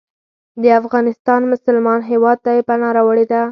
د افغانستان مسلمان هیواد ته یې پناه راوړې ده.